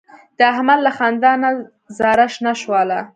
د احمد له خندا نه زاره شنه شوله.